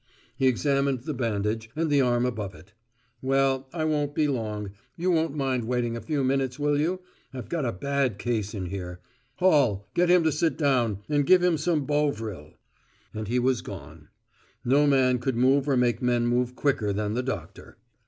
(He examined the bandage, and the arm above it.) Well, I won't be long. You won't mind waiting a few minutes, will you? I've got a bad case in here. Hall, get him to sit down, and give him some Bovril." And he was gone. No man could move or make men move quicker than the doctor.